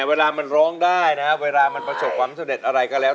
เวลามันร้องได้นะเวลามันประสบความสำเร็จอะไรก็แล้ว